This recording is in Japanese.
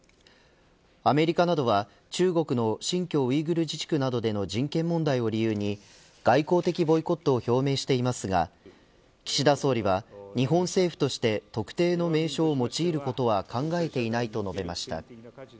アメリカなどは中国の新疆ウイグル自治区などでの人権問題を理由に外交的ボイコットを表明していますが岸田総理は日本政府として特定の名称を用いることは考えていないと述べました。